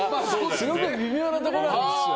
すごく微妙なところなんですよ。